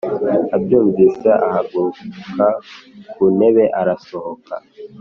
abyumvise ahaguruka ku ntebe arasohoka